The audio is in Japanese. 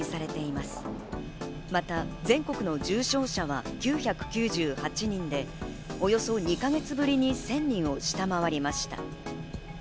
また全国の重症者は９９８人で、およそ２か月ぶりに１０００人を下回りました。